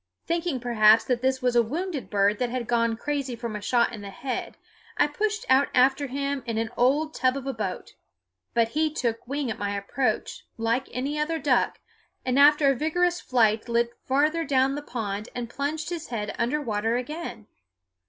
Thinking perhaps that this was a wounded bird that had gone crazy from a shot in the head, I pushed out after him in an old tub of a boat; but he took wing at my approach, like any other duck, and after a vigorous flight lit farther down the pond and plunged his head under water again.